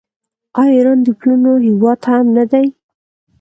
آیا ایران د پلونو هیواد هم نه دی؟